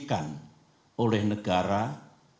yang ditayangkan sebagai